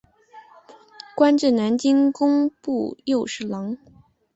官至南京工部右侍郎。